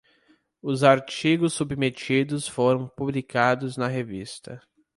Os artigos submetidos foram publicados na revista